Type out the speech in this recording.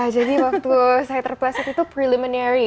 jadi waktu saya terpeleset itu preliminary